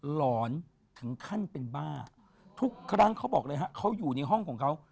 หลอนถึงขั้นเป็นบ้าทุกครั้งเขาบอกเลยฮะเขาอยู่ในห้องของเขา